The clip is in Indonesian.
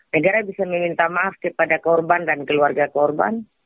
negara bisa meminta maaf kepada korban dan keluarga korban